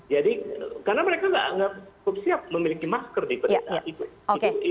jadi karena mereka tidak siap memiliki masker di pedesaan itu